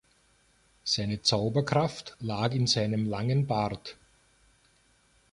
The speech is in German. Seine Zauberkraft lag in seinem langen Bart.